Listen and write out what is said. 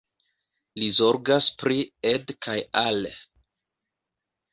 Li zorgas pri Ed kaj Al.